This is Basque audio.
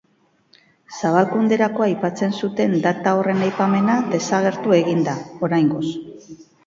Zabalkunderako aipatzen zuten data horren aipamena desagertu egin da, oraingoz.